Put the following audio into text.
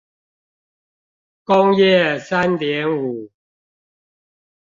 工業三點五